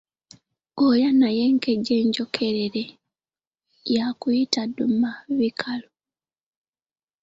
Gw'olya naye enkejje enjokerere, y’akuyita ddumabikalu.